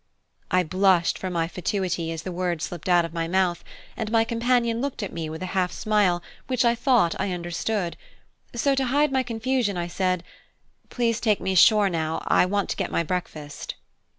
I blushed for my fatuity as the words slipped out of my mouth, and my companion looked at me with a half smile which I thought I understood; so to hide my confusion I said, "Please take me ashore now: I want to get my breakfast."